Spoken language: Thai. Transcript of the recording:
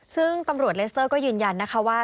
ซึ่งตำรวจเลสเตอร์ก็ยืนยันนะคะว่า